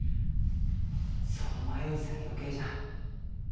その迷いさえ余計じゃ。